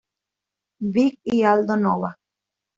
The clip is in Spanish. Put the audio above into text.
Big y Aldo Nova.